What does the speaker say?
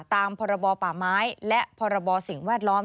ตามพรบป่าไม้และพรบสิ่งแวดล้อม